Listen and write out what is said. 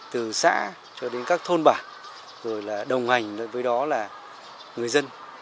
từ xã cho đến các thôn bản rồi là đồng hành với đó là người dân